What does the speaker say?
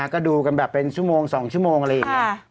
ก็ดูกันแบบเป็นชั่วโมง๒ชั่วโมงอะไรอย่างนี้